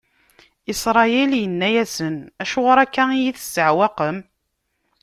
Isṛayil inna-asen: Acuɣer akka i yi-tesɛewqem?